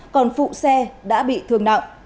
còn phụ xe đã bị thương nặng